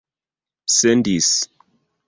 sendis